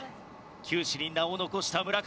球史に名を残した村上。